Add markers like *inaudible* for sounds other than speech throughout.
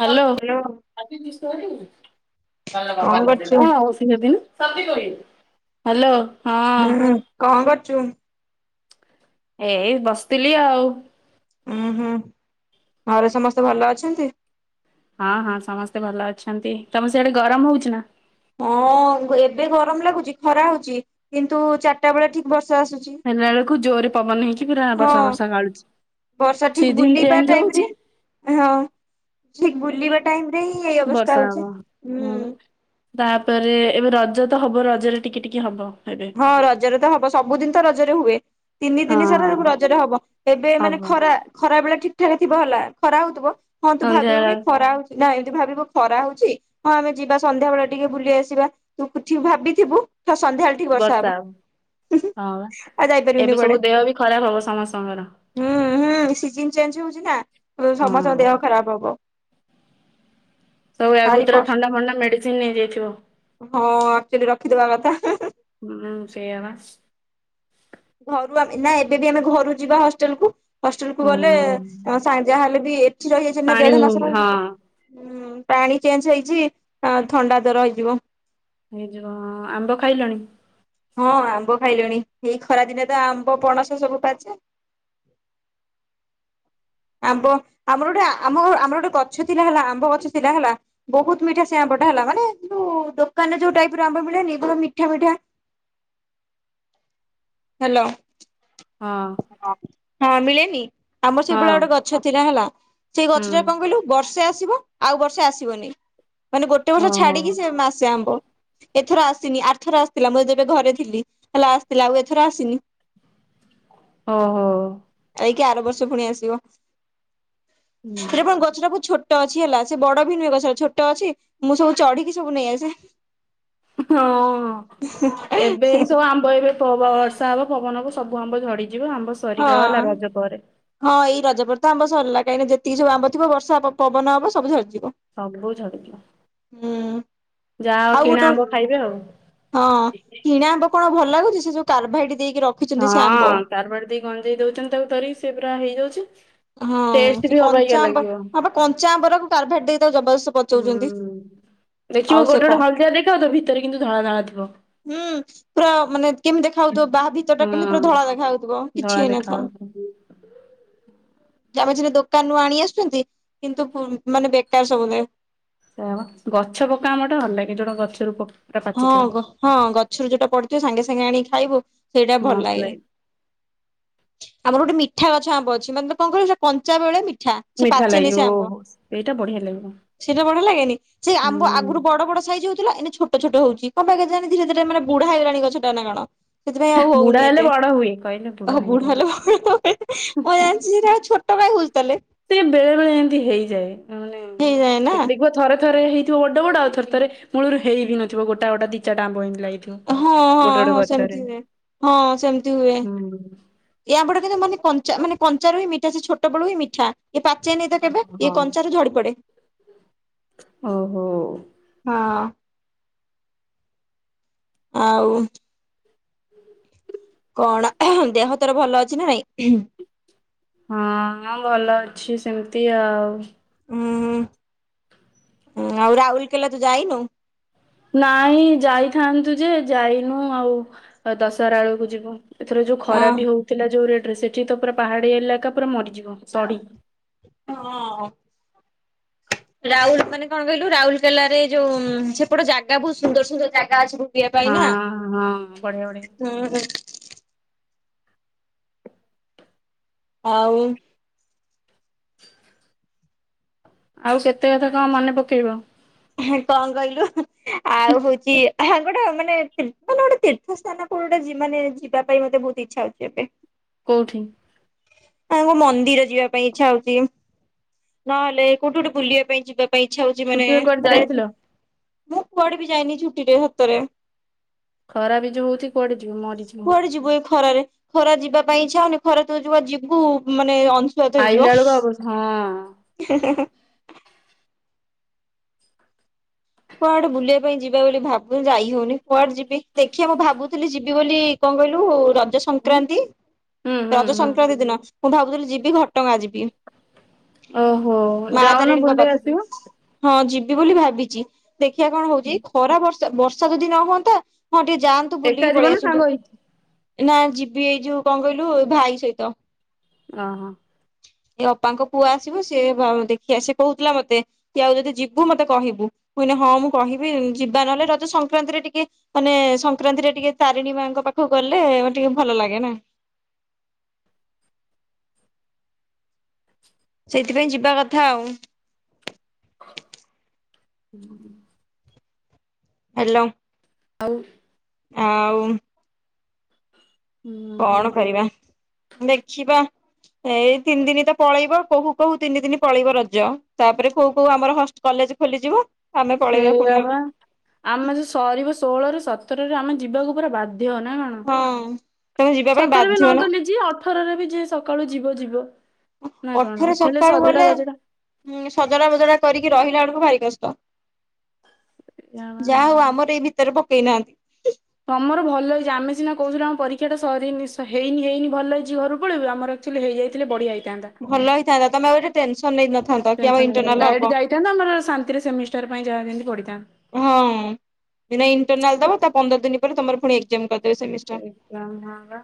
Hello hello *unintelligible* କଣ କରୁଛୁ? Hello, ହଁ ହୁଁ କଣ କରୁଛୁ? ଏଇ ବସିଥିଲି ଆଉ। ଉଁ ହୁଁ, ଘରେ ସମସ୍ତେ ଭଲ ଅଛନ୍ତି? ହଁ ହଁ ସମସ୍ତେ ଭଲ ଅଛନ୍ତି। ତମ ସିଆଡେ ଗରମ ହଉଛି ନା? ହଁ, ଏବେ ଗରମ ଲାଗୁଛି ଖରା ହଉଛି, କିନ୍ତୁ ଚାରିଟା ବେଳେ ଠିକ ବର୍ଷା ଆସୁଛି। ହେଲା ବେଳକୁ ଜୋରେ ପବନ ହେଇକି ପୁରା ହଁ ବର୍ଷା ବର୍ଷା ଗାଳୁଛି। ବର୍ଷା ଠିକ ସିଜିନ୍ ବୁଲିବା ଚେଞ୍ଜ ଟାଇମ ରେ ହେଉଛି। ହଁ, ଠିକ୍ ବୁଲିବା ଟାଇମ ରେ ହିଁ ଏଇ ଅବସ୍ଥା ବର୍ଷା ହବ। ହଉଛି। ହଁ ତାପରେ ଏବେ ରଜ ତ ହବ, ରଜରେ ଟିକେ ଟିକେ ହବ। ଏବେ। ହଁ ରଜରେ ତ ହବ। ସବୁଦିନ ତ ରଜରେ ହୁଏ। ତିନି ଦିନି ସାରା ହଁ ସବୁ ରଜରେ ହବ। ଏବେ ମାନେ ହବ ଖରା ଖରା ବେଳେ ଠିକ ଠାରେ ଥିବ ହେଲା ଖରା ହଉଥିବ। ହଁ, ତୁ ସନ୍ଧ୍ୟା ଭାବିବୁ କି ଖରା ହଉ ନା ଏମତି ଭାବିବୁ ଖରା ହଉଛି। ହଁ, ଆମେ ଯିବା ସନ୍ଧ୍ୟା ବେଳେ ଟିକେ ବୁଲି ଆସିବା। ତୁ କିଛି ଭାବିଥିବୁ ତ ସନ୍ଧ୍ୟାବେଳେ ଠି ବର୍ଷା ହବ। ହଁ ପା, ଆଉ ଯାଇପାରିବୁନି ଏବେ କୁଆଡେ ସବୁ ଦେହ ବି ଖରାପ ହବ ସମସ୍ତଙ୍କର। ହୁଁ ହୁଁ, ସିଜିନ୍ ଚେଞ୍ଜ ହଉଛି ନା ସମସ୍ତଙ୍କ ହଁ ଦେହ ଖରାପ ହବ। ସବୁ ଭାରି ଆଗୁତୁରା କଷ୍ଟ ଥଣ୍ଡା ଫଣ୍ଡା ମେଡିସିନ୍ ନେଇଯାଇଥିବ। ହଁ, ଏକ୍ଟୁଆଲୀ ରଖିଥିବା କଥା। ହୁଁ, ସେୟା ପା। ଘରୁ ଆମେ ନା ଏବେ ବି ଆମେ ଘରୁ ଯିବା ହଷ୍ଟେଲ କୁ। ହଷ୍ଟେଲ କୁ ଗଲେ ହୁଁ ସା ଯା ହେଲେ ବି ଏଠି ରହିଯାଇଛି ନା ପାଣି ଦେଢ ମାସ ରହି ହଁ ହଁ ପାଣି ଚେଞ୍ଜ ହେଇଛି, ଥଣ୍ଡା ଜର ହେଇଯିବ। ହେଇଯିବ। ହଁ, ଆମ୍ବ ଖାଇଲଣି? ହଁ ଆମ୍ବ ଖାଇଲଣି ଏଇ ଖରା ଦିନେ ତ ଆମ୍ବ ପଣସ ସବୁ ପାଚେ। ଆମ୍ବ ଆମର ଗୋଟେ ଆମ ଆମର ଗୋଟେ ଗଛ ଥିଲା ହେଲା ଆମ୍ବ ଗଛ ଥିଲା ହେଲା। ବହୁତ ମିଠା ସେଇ ଆମ୍ବଟା ହେଲା ମାନେ ଯୋଉ ଦୋକାନରେ ଯୋଉ ଟାଇପର ଆମ୍ବ ମିଳେନି ମିଠା ମିଠା। ହ୍ୟାଲୋ। ହଁ। ହ ହଁ ମିଳେନି ଆମର ହଁ ସେଇଭଳିଆ ଗୋଟେ ଗଛ ଥିଲା ହେଲା ସେଇ ହୁଁ ଗଛଟା କଣ କହିଲୁ? ବର୍ଷେ ଆସିବ ଆଉ ବର୍ଷେ ଆସିବନି ମାନେ ଗୋଟେ ବର୍ଷ ଓହୋ ଛାଡିକି ସେ ଆସେ ଆମ୍ବ। ଏଥର ଆସିନି ଆରଥର ଆସିଥିଲା ମୁଁ ଯେବେ ଘରେ ଥିଲି ହେଲା ଆସିଥିଲା ଆଉ ଏଥର ଆସିନି। ଓ ହୋ। ଯାଇକି ଆର ବର୍ଷ ପୁଣି ଆସିବ ହୁଁ *inaudible* ଗଛଟାକୁ ଛୋଟ ଛୋଟ ଅଛି ହେଲା ସେ ବଡ ବି ନୁହେ ଗଛ ଛୋଟ ଅଛି ମୁଁ ସବୁ ଚଢିକି ସବୁ ନେଇ ଆସେ। ହଁ ଏବେ ଏଇ ସବୁ ଆମ୍ବ ଏବେ ବର୍ଷା ହବ ପବନ ହବ ସବୁ ଆମ୍ବ ଝଡିଯିବ ଆମ୍ବ ହଁ। ସରିଗଲା ରଜ ପରେ ହଁ ଏଇ ରଜ ପରେ ତ ଆମ୍ବ ସରିଲା କାହିଁକିନା ଯେତିକି ସବୁ ଆମ୍ବ ଥିବ ବର୍ଷା ପବନ ହବ ସବୁ ଝରିଯିବ। ସବୁ ଝଡିଯିବ। ହୁଁ ଯା ହଉ ଆଉ କିଣା ଗୋଟେ ଆମ୍ବ ଖାଇବେ ଆଉ ହଁ କିଣା ଆମ୍ବ କଣ ଭଲ ଲାଗୁଛି ସେ ଯୋଉ କାର୍ଭାଇଟି ଦେଇକି ର ହଁ କାର୍ଭାଇଟି ଦେଇ ଗଞ୍ଜେଇ ଦଉଛନ୍ତି ତାକୁ ଧରିକି ସେ ପୁରା ହେଇଯାଉଛି। ହଁ ଟେଷ୍ଟ ସେ ବି ଅବାଗିଆ କଞ୍ଚା ଆମ୍ବ ଲାଗିବ ହୁଁ। ହଁ ବା କଞ୍ଚା ଆମ୍ବର କାର୍ଭେଇଟ ଦେଇଦଉ ଜବରଦସ୍ତି ପଚଉଛନ୍ତି। ଆଉ ଦେଖିବ ସେ ଗୋଟେ କଣ ଗୋଟେ ହଳଦିଆ ଦେଖିବ କିନ୍ତୁ ତା ଭିତରେ କିନ୍ତୁ ଧଳା ଧଳାଣା ଥିବ। ହୁଁ ପୁରା ମାନେ କେମିତି ଦେଖା ହାଉଥିବ ବାହା ଭିତରଟା କେମିତି ପୁରା ହଁ। ଧଳା ଦେଖା ହାଉଥିବ କିଛି ଧଳା ଦେଖା ହେଇନଥିବ। ଯାଉଥିବ ଆମେ ସ ଦୋକାନରୁୁ ଆଣି ଆସୁଛନ୍ତି କିନ୍ତୁ ମାନେ ବେକାର ସବୁବେଳେ ସେ ଗଛ ପକା ଆମ ଟେ ଭଲ ଲାଗେ ଜୋଣ ଗଛରୁ ପ ପୁରା ପାଚିଥିବ ହଁ ହଁ ଗଛରୁ ଯୋଉଟା ପଡିଥିବ ସାଙ୍ଗେ ସାଙ୍ଗେ ଆଣିକି ଖାଇବୁ? ସେଇଟା ଭଲ ଲାଗେ। ଆମର ଗୋଟେ ମିଠା ଗଛ ଆମ୍ବ ଅଛି ମାନେ କଣ କର କଞ୍ଚା ବେଳେ ମିଠା। ସେ ମିଠା ଲାଗେ ଓହୋ ଏଇଟା ବଢିଆ ଲାଗିବ। ସେଟା ବଢିଆ ଲାଗେନି ସେ ଆମ୍ୱ ହୁଁ ଆଗରୁ ବଡ ବଡ ସାଇଜ ହଉଥିଲା ଏବେ ଛୋ ଛୋଟ ଛୋଟ କଣ ହଉଛି କଣ ପାଇଁ କେଜାଣି ଧୀରେ ଧୀରେ ମାନେ ବୁଢା ହେଇଗଲାଣି ଗଛଟା ନା କଣ? ସେଥିପାଇଁ ଆଉ ବୁଢା ହଉନି ହେଲେ ଏତେ ବଡ ହୁଏ କହିଲେ ବୁଢା ଓ ହେଇଗଲିଣି ବୁଢ଼ା ଲୋ ମୁଁ ଜାଣି ସେଟା ଆଉ ଛୋ ଛୋଟ କାଇଁ ହଉଛି ତାହାଲେ। ସେ ବେଳେ ବେଳେ ଏମିତି ହେଇଯାଏ ହେଇଯାଏ ନା। ମାନେ ଦେଖ ଥରେ ଥରେ ହେଇଥିବ ବଡ ବଡ ଆଉ ଥରେ ଥରେ ମୂଳରୁ ହେଇନଥିବ ଗୋଟ ଗୋଟ ଦି ଚାରିଟା ଆମ୍ବ *unintelligible* ହଁ ଗୋଟେ ହଁ ଗୋଟେ ହଁ ଗଛରେ ସେମିତି ହୁଏ ହଁ ସେମିତି ହୁଏ। ହୁଁ ଏୟା ବଡ କିନ୍ତୁ ମାନେ କଞ୍ଚା ମାନେ କଞ୍ଚାରୁ ହିଁ ମିଠା ସେ ଛୋଟ ବେଳ ହୁ ମିଠା। ଇଏ ପାଚେନିତ କେବେ ହଁ ଇଏ କଞ୍ଚାରୁ ଝଡି ପଡେ। ଓ ହୋ। ହଁ। ଆଉ ତ କଣ ଦେହ ତୋର ଭଲ ଅଛି ନା ନାଇଁ? ହଁ ହଁ ଭଲ ଅଛି ସେମିତି ଆଉ ହୁଁ ଆଉ ରାଉରୀକେଲା ତୁ ଯାଇନୁ? ନାଇଁ ଯାଇଥାନ୍ତୁ ଯେ ଯାଇନୁ ଆଉ ଦଶହରା ବେଳକୁ ଯିବୁ? ଏଥର ଯୋଉ ହଁ। ଖରାପି ହଉଥିଲା ଯୋଉ ରେଟ୍ ରେ ସେଠି ତ ପୁରା ପାହାଡିଆ ଏଇଲାକା ପୁରା ମରିଯିବ ସଢି ହଁ ରାଉଲ୍ ମାନେ କଣ କହିଲୁ ରାଉଲ୍ କେଲାରେ ଯୋଉ ସେପଟ ଜାଗା ବହୁତ୍ ସୁନ୍ଦର ସୁନ୍ଦର ଜାଗା ଅଛି। ବୁଲିବା ପାଇଁ ନା। ହଁ ହଁ ବଢିଆ ବଢିଆ। ହୁଁ ହୁଁ। ଆଉ ? *inaudible* ଆଉ କେତେ କଥା କଣ ମନେ ପକେଇବ ହଁ କଣ କହିଲୁ ଆଉ ହଉଛି ହଁ ଗୋଟେ ମାନେ ତୀର୍ଥଲ ଗୋଟେ ତୀର୍ଥ ସ୍ଥାନ କୋଉଠି ଗୋଟେ ମାନେ ଯିବା ପାଇଁ ମତେ ବହୁତ ଇଚ୍ଛା ହଉଛି ଏବେ? *inaudible* କୋଉଠି? କୋଉ କୋଉ ମନ୍ଦିର ଯିବା ପାଇଁ ଇଚ୍ଛା ହଉଚି ନହେଲେ କୋଉଠି ଗୋଟେ ବୁଲିବା ପାଇଁ ଯିବା ପାଇଁ ଇଚ୍ଛା ହଉଛି ମାନେ ଛୁଟିରେ କୁଆଡେ ଯାଇଥିଲ? ମୁଁ କୁଆଡେ ବି ଯାଇନି ଛୁଟି ରେ ହତରେ ଖରା ବି ଯୋଉ ହଉଚି କୁଆଡେ ଯିବୁ ମରିଯିବୁ। କୁଆଡେ ଯିବୁ ଏଇ ଖରାରେ ଖରା ଯିବା ପାଇଁ ଇଚ୍ଛା ହଉନି ଖରା ତଉ ଯିବୁ ମାନେ ଅଂଶୁଘାତ ଆଇଲା ହେଇଯିବ ବେଳକୁ ଅବସ୍ ହଁ ହୁଁ ହୁଁ ହୁଁ। କୁଆଡେ ବୁଲିବା ପାଇଁ ଯିବା ବୋଲି ଭାବ ଯାଇ ହଉନି କୁଆଡେ ଯିବି ଦେଖିଆ ମୁଁ ଭାବୁଥିଲି ଯିବି ବୋଲି କଁ କହିଲୁ ରଜ ହୁଁ ସଂକ୍ରାନ୍ତି ହୁଁ ହୁଁ ରଜ ହୁଁ ସଂକ୍ରାନ୍ତି ଦିନ ମୁଁ ଭାବୁଥିଲି ଯିବି ଘଟଗାଁ ଯିବି। ଓହୋ ମା ଯାଉନ ତାରିଣୀଙ୍କ ବୁଲି ପାଖକୁ ଆସିବ ହଁ ଯିବି ବୋଲି ଭାବିଚି ଦେଖିଆ କଣ ହଉଚି ଖରା ବର୍ଷ ବର୍ଷା ଯଦି ନ ହୁଅନ୍ତା ହଁ ଟିକେ ଯାଆନ୍ତୁ ଏକା ବୁଲିକି ଯିବ ପଳେଇ ନା ଆସନ୍ତୁ। ସାଙ୍ଗ ହେଇକି ନା ଯିବି ଏଇ ଯୋଉ କଁ କହିଲୁ ଭାଇ ସହିତ ଓହୋ। ଏ ଅପାଙ୍କ ପୁଅ ଆସିବ ସେ ବା ଦେଖିଆ ସେ କହୁଥିଲା ମତେ କି ଆଉ ଯଦି ଯିବୁ ମତେ କହିବୁ ମୁଁ କହିନି ହଁ ମୁଁ କହିବି ଯିବା ନହେଲେ ରଜ ସଂକ୍ରାନ୍ତିରେ ଟିକେ ମାନେ ସଂକ୍ରାନ୍ତିରେ ଟିକେ ତାରିଣୀ ମାଙ୍କ ପାଖକୁ ଗଲେ ଅ ଟିକେ ଭଲ ଲାଗେ ନା? ସେଇଥିପାଇଁ ଯିବା କଥା ଆଉ। ହୁଁ *inaudible* ହ୍ୟାଲୋ ଆଉ ଆଉ ହୁଁ *inaudible* କଣ କରିବା ଦେଖିବା ଏଇ ତିନି ଦିନି ତ ପଳେଇବ କହୁ କହୁ ତିନି ଦିନି ପଳେଇବ ରଜ ତାପରେ କୋଉ କୋଉ ଆମର ହଷ୍ଟେଲ୍ କଲେଜ ଖୋଲିଯିବ। ଆମେ ପଳେଇବା ପୁଣି ସେଇଆ ଆଉ ବା ଆମେ ଯ ସରିବ ଷୋହଳ ରେ ସତର ରେ ଆମେ ଯିବାକୁ ପୁରା ବାଧ୍ୟ ନା କଣ? ହଁ ତମେ ଯିବା ପାଇଁ ସତରରେ ବାଧ୍ୟ ନା ନଗଲେ ଯି ଅଠରରେ ବି ଯି ସକାଳୁ ଯିବ ଯିବ ନା କଣ ଅଠରେ କେଲେ ସକାଳୁ ସଜଟା ଗଲେ ବଜଟା ଉଁ ସଜଡା ବଜଡା କରିକି ରହିଲା ବେଳକୁ ଭାରି କଷ୍ଟ ୟା ମା। ଯା ହଉ ଆମର ଏଇ ଭିତରେ ପକେଇ ନାହାନ୍ତି। ତମର ଭଲ ହେଇଛି ଆମେ ସିନା କହୁଥିଲୁ ଆମ ପରୀକ୍ଷା ଟା ସରିନି ହେଇନି ହେଇନି ଭଲ ହେଇଛି ଘକୁ ପଳେଇବୁ ଆମର ଏକ୍ଟୁଆଲି ହେଇଯାଇଥିଲେ ବଢିଆ। ହେଇଥାନ୍ତା ଭଲ ହେଇଥାନ୍ତା ତମେ ଆଉ ଏଠେ ଟେନସନ ନେଇ ନଥାନ୍ତା କି ଆମ ଇନଟରନାଲ ହବ ସେଟ ଆମର ଶାନ୍ତିରେ ସେମିଷ୍ଟର ପାଇଁ ଯାହା ଯେମିତି ପଢ଼ିଥା ହଁ ଦି ଟା ଇଣ୍ଟରନାଲ ଦବ ତା ପନ୍ଦର ଦିନ ପରେ ତମର ପୁଣି ଏକ୍ସାଂମ କରିଦେବେ ସେମିଷ୍ଟର ଏକ୍ଜାମ ହଁ ବା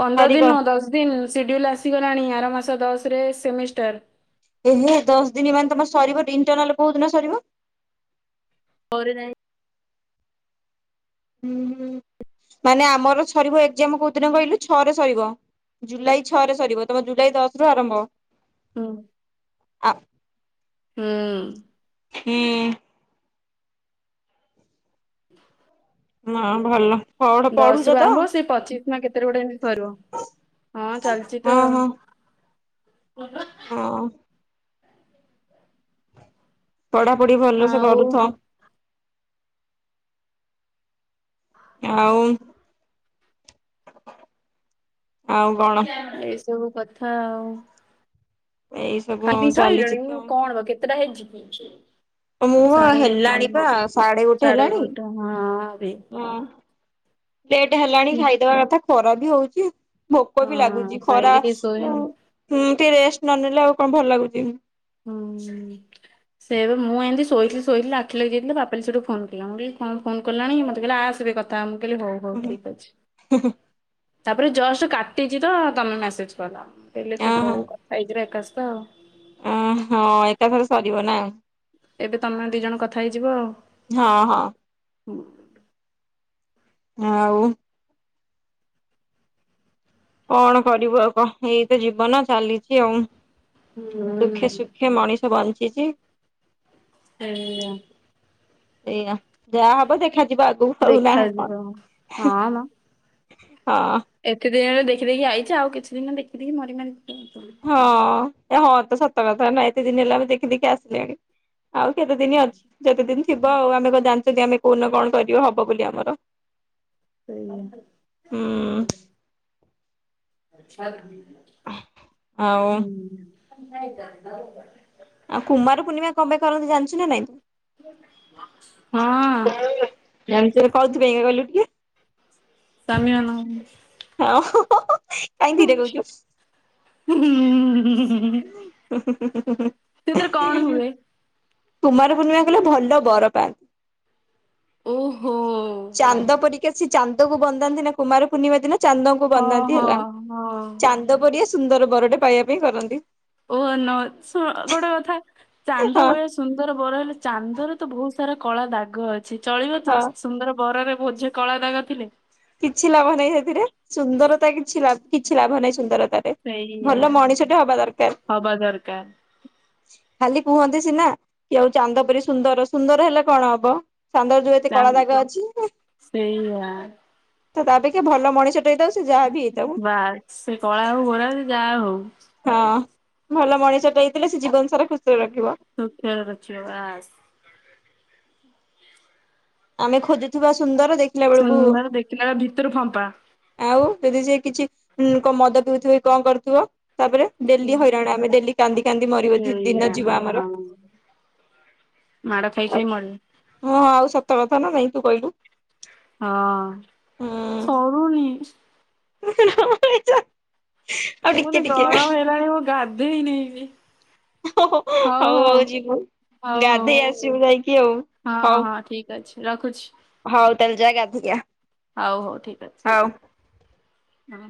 ପନ୍ଦର ଦିନ ନୁହଁ ଦଶ ଦିନ ସିଡ୍ୟୁଲ୍ ଆସିଗଲାଣି ଆର ମାସ ଦଶରେ ସେମିଷ୍ଟାର ଏହେ ଦଶ ଦିନ ମାନେ ତମ ସରିବ ଇଣ୍ଟରନାଲ କୋଉ ଦିନ ସରିବ ଛ ରେ ଯାଇ ହୁଁ ହୁଁ ମାନେ ଆମର ସରିବ ଏକ୍ଜାମ କୋଉ ଦିନ କହିଲୁ ଛଅ ରେ ସରିବ। ଜୁଲାଇ ଛଅ ରେ ସରିବ ତମ ଜୁଲାଇ ଦଶ ରୁ ଆରମ୍ଭ ହଁ ଆ ହଁ ହୁଁ ହୁଁ ହଁ ଭଲ ପଢ ପଢୁଛ ଦଶ ରୁ ତ ଆରମ୍ଭ ସେ ପଚିଶି ନା କେତେ ରେ ଗୋଟେ ଏମିତି ସରିବ ହଁ ଚାଲିଛି ତ ହଁ ହଁ। ହଁ ହଁ ପଢା ପଢି ଭଲ ସେ ଆଉ କରୁଥ। ଆଉ ଆଉ କଣ ଏଇ ସବୁ କଥା ଆଉ ଏଇ ସବୁ ଆଉ ଖାଇସାଇ ଚାଲିଛି ଲଣି ତ କଣ ବା କେତଟା ହେଇଛି କି ମୁଁ ସାଢ଼େ ଗୋଟେ ହେଲାଣି ପା ଗୋଟେ ସାଢେ ହେଲାଣି ଗୋଟେ ହଁ ରେ ହଁ ଲେଟ୍ ହେଲାଣି ଖାଇଦବା କଥା ଖରା ବି ହଉଛି ଭୋକ ବି ହଁ ଲାଗୁଛି ଖରା ଖାଇକି ଟିକେ ଶୋଇବି ହୁଁ ଆଉ ଟିକେ ରେଷ୍ଟ ନ ନେଲେ ଆଉ କଣ ଭଲ ଲାଗୁଛି? ହୁଁ ସେଇ ଏବେ ମୁଁ ଏମିତି ଶୋଇଥିଲି ଶୋଇଥିଲ ଆଖି ଲାଗି ଯାଇଥିଲା ପାପାଲି ସେଇଠୁ ଫୋନ କଲା ମୁଁ କହିଲି କଣ ଫୋନ୍ କଲାଣି ମୋତେ କହିଲା ଆସେ କଥା ତ ଆମ କହିଲି ହଉ ହଉ ଠିକ ଅଛି ତାପରେ ଜଷ୍ଟ କାଟିଛି ତ ତମେ ମେସେଜ କଲ ହେଲେ ହଉ କଥା ହେଇଯିବା ଏକାଶ ତ ଆଉ ଓ ହଁ ଏକାଥରେ ସରିବ ନା ଏବେ ତମେ ଦି ଜଣ କଥା ହେଇଯିବ ହଁ ହଁ ଆଉ ହଉ କଣ କରିବୁ ଆଉ କ ଏଇତ ଜୀବନ ଚାଲିଛି ଆଉ। ହୁଁ ଦୁଃଖେ ସୁଖେ ମଣିଷ ବଞ୍ଚିଛି। ସେୟା ସେଇଆ ଯାହା ହବ ଦେଖାଯିବ ଆଗକୁ ହଉନା କଣ ଦେଖାଯିବ ହଁ ମ ହଁ ଏତେ ଦିନରେ ଦେଖି ଦେଖି ଆଇଛେ ଆଉ କିଛି ଦିନ ଦେଖିଦଖି ମରି ମାରି ଯୁ ହଁ ଏ ହଁ ତ ସତ କଥା ନା ଏତେ ଦିନ ହେଲା ମୁ ଦେଖି ଦେଖି ଆସିଲିଣି ଆଉ କେତେ ଦିନ ଅଛି ଯେତେ ଦିନ ଥିବ ଆଉ ଆମେ କ ଜାଣିଛନ୍ତି ଆମେ କୋଉନ କଣ କରିବୁ ହବ ବୋଲି ଆମର ସେଇଆ ହୁଁ। ଆଉ ହଁ। ଆଉ କୁମାର ପୂର୍ଣ୍ଣିମା କଁ ପାଇଁ କରନ୍ତି ଜାଣିଚୁ ନା ନାଇଁ? ହଁ ଜ କଉଥିପାଇକା କହିଲୁ ଟିକେ। ସ୍ୱାମୀ ମାନଙ୍କ ପାଇଁ। ହଁ କାହିଁ ଧୀରେ କହୁଚୁ? ହୁଁ ହୁଁୁଁ ହ ସେଥିରେ କଣ ହୁଏ? କୁମାର ପୂର୍ଣ୍ଣିମା କଲେ ଭଲ ବର ପାନ୍ତି। ଓହୋ ଚାନ୍ଦ ପରିକା ସେ ଚାନ୍ଦକୁ ବନ୍ଦାନ୍ତି ନା କୁମାର ପୂର୍ଣ୍ଣିମା ଦିନ ଚାନ୍ଦଙ୍କୁ ହଁ ବନ୍ଦାନ୍ତି ହଁ ହେଲା ହଁ ଚାନ୍ଦ ପରରିଆ ସୁନ୍ଦର ବରଟେ ପାଇବା ପାଇଁ କରନ୍ତି। ଓହ ନ ଶ ଗୋଟେ କଥା ଚାନ୍ଦ ହଁ ଭଳିଆ ସୁନ୍ଦର ବର ହେଲେ ଚାନ୍ଦରେ ତ ବହୁତ ସାରା କଳା ଦାଗ ଅଛି ଚଳିବ ତ? ହଁ ସୁନ୍ଦର ବରରେ ବୋଝେ କଳା ଦାଗ ଥିଲେ? କିଛି ଲାଭ ନାହିଁ ସେଥିରେ। ସୁନ୍ଦରତା କିଛି ଲାଭ କିଛି ଲାଭ ନାହିଁ ସୁନ୍ଦରତା। ସେଇଆ ଭଲ ମଣିଷ ଟେ ହବା ଦରକାର। ହବା ଦରକାର। ଖାଲି କୁହନ୍ତି ସିନା କି ଆଉ ଚାନ୍ଦ ପରି ସୁନ୍ଦର ସୁନ୍ଦର ହେଲେ କଣ ହବ ଚାନ୍ଦ ରେ ଯୋଉ ଏତେ କଳା ଚାନ୍ଦ ଜାଗା ଅଛି। ସେଇଆ। ତ ତାପକ୍ଷେ ଭଲଣିଷଟ ହେଇଥାଉ ସେ ଯାହା ବି ହେଇଥାଉ। ବା ସେ କଳା ହଉ ଗୋରା ହଉ ଯାହା ହଉ। ହଁ ଭଲ ମଣିଷ ଟେ ହେଇଥିଲେ ସେ ଜୀବନ ସାରା ଖୁସିରେ ରଖିବ। *unintelligible* ଆମେ ଖୋଜୁଥିବା ସୁନ୍ଦର ଦେଖ ସୁନ୍ଦର ଦେଖିଲା ବେଳେ ଭିତରୁ ଫମ୍ପା। ଆଉ ଯଦି ସେ କିଛି କ ମଦ ପିଉଥିବ କି କଣ କରୁଥିବ ତାପରେ? ଡେଲି ହଇରାଣ ଆମେ ଡେଲି କାନ୍ଦି କାନ୍ଦି ମରିବ ଦିନ ସେଇଆ ଯିବ ଆମର। ମାଡା ଖାଇ ଖାଇ ମୁରିବ। ହଁଁ ଆଉ ସତ କଥା ନା ନାଇ ତୁ କହିଲୁ? ହଁ ହୁଁ। ସରୁନି। *unintelligible* ଆଉ ମତେ ଟିକେ ଟିକେ ଗରମ ହେଲାଣି ମୁଁ ଗାଧେଇନେଇଁ ବି। ହଉ ହଉ ହଉ ଯିବୁ ହଉ ଗାଧେଇ ଆସିବୁ ଯାଇକି ଆଉ। ହଉ ହଉ ହଁ ହଁ ଠିକ ଅଛି ରଖୁଚି। ହଉ ତାଲେ ଜା ଗାଧେଇକି ଆ। ହଉ ହଉ ଠିକ ଅଛି। ହଉ। ହୁଁ।